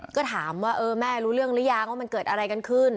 ก็ถามว่าเออแม่รู้เรื่องหรือยังว่ามันเกิดอะไรกันขึ้น